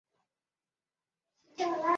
尖齿黄耆是豆科黄芪属的植物。